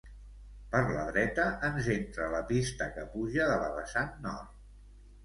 Per la dreta ens entra la pista que puja de la vessant nord.